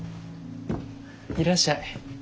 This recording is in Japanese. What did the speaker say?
いらっしゃい。